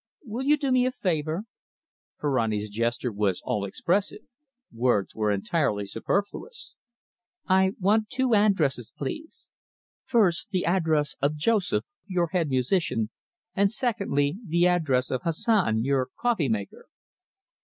"Will you do me a favour?" Ferrani's gesture was all expressive. Words were entirely superfluous. "I want two addresses, please. First, the address of Joseph, your head musician, and, secondly, the address of Hassan, your coffee maker."